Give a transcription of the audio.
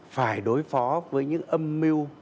phải đối phó với những âm mưu